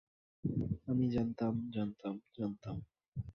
আমি জানতাম, জানতাম, জানতাম!